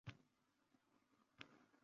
Jin ursin, dedim ichmida, unga er yoqmabdi